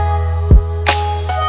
terima kasih ya allah